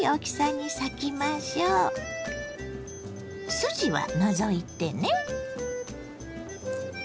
筋は除いてね。